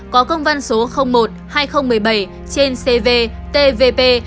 có công văn số một hai nghìn một mươi bảy trên cv tvp